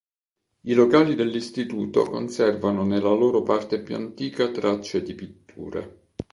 I locali dell'istituto conservano nella loro parte più antica tracce di pitture.